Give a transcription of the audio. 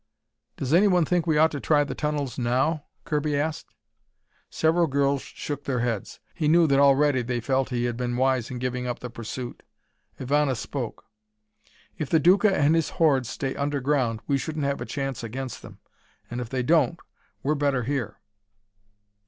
"Does anyone think we ought to try the tunnels now?" Kirby asked. Several girls shook their heads. He knew that already they felt he had been wise in giving up the pursuit. Ivana spoke. "If the Duca and his horde stay underground, we shouldn't have a chance against them. And if they don't, we're better here."